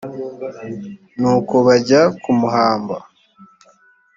nuko bajya kumuhamba